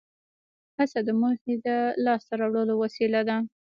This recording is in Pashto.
هڅه د موخې د لاس ته راوړلو وسیله ده.